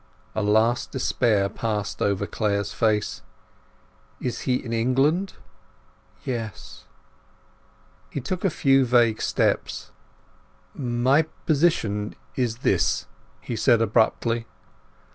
A last despair passed over Clare's face. "Is he in England?" "Yes." He took a few vague steps. "My position—is this," he said abruptly.